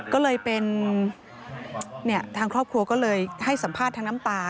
ก็เลยเป็นทางครอบครัวก็เลยให้สัมภาษณ์ทางน้ำตา